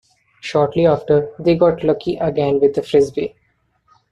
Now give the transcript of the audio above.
Shortly after, they got lucky again with the Frisbee.